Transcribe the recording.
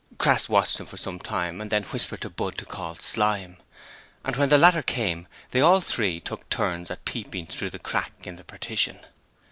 Crass watched them for some time and then whispered to Budd to call Slyme, and when the latter came they all three took turns at peeping through the crack in the partition.